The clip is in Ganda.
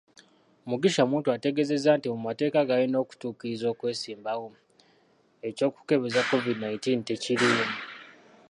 Mugisha Muntu ategeezezza nti mu mateeka g'alina okutuukiriza okwesimbawo, ekyokukebeza Covid nineteen tekiriimu.